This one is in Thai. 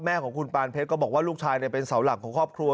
แม่ของคุณปานเพชรก็บอกว่าลูกชายเป็นเสาหลักของครอบครัว